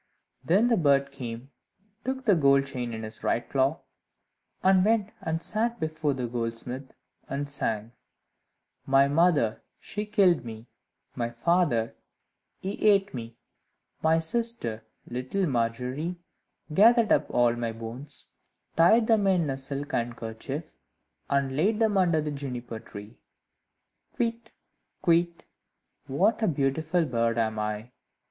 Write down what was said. Then the bird came and took the gold chain in his right claw, and went and sat before the goldsmith, and sang "My mother, she killed me; My father, he ate me; My sister, little Margery, Gathered up all my bones, Tied them in a silk handkerchief, And laid them under the Juniper tree: Kywitt! Kywitt! what a beautiful bird am I!"